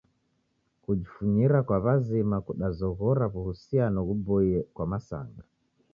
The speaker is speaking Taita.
Kujifunyira kwa w'azima kudazoghora w'uhusiano ghuboie kwa masanga.